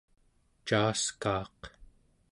caaskaaq